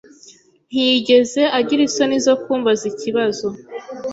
Ntiyigeze agira isoni zo kumbaza ikibazo.